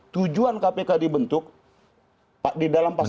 tujuan kpk dibentuk di dalam pasal empat itu